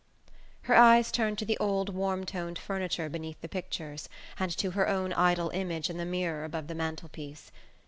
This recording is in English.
Her eyes turned to the old warm toned furniture beneath the pictures, and to her own idle image in the mirror above the mantelpiece.